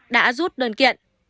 đã rút đơn kiện